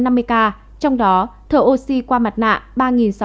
trong đó thở oxy qua mặt nạ ba sáu trăm linh